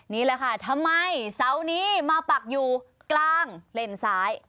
นี่แหละค่ะทำไมเสานี้มาปักอยู่กลางเลนซ้าย